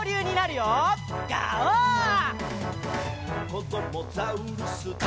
「こどもザウルス